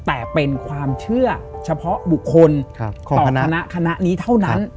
แต่เป็นความเชื่อเฉพาะบุคคลต่อคณะคณะนี้เท่านั้น